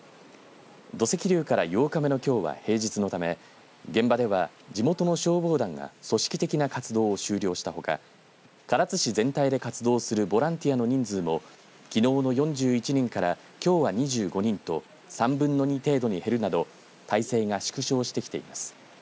土石流から８日目のきょうは平日のため現場では地元の消防団が組織的な活動を終了したほか唐津市全体で活動するボランティアの人数もきのうの４１人からきょうは２５人と３分の２程度に減るなど態勢が縮小してきています。